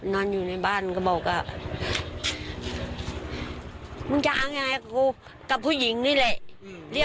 พุบพุบพุบพุบขึ้นเลยแล้วก็พุบเลย